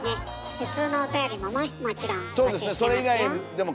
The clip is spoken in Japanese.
普通のおたよりもねもちろん募集してますよ。